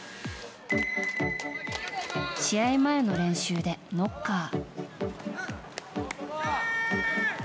試合前の練習でノッカー。